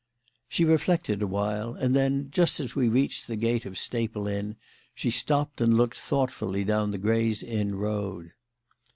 She reflected awhile, and then, just as we reached the gate of Staple Inn, she stopped and looked thoughtfully down the Gray's Inn Road.